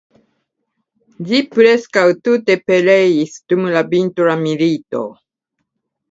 Ĝi preskaŭ tute pereis dum la vintra milito.